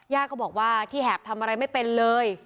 ก็บอกว่าที่แหบทำอะไรไม่เป็นเลย